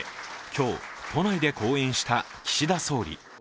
今日、都内で講演した岸田総理。